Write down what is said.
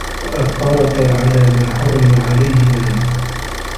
وَأَفْطَرَتَا عَلَى مَا حُرِّمَ عَلَيْهِمَا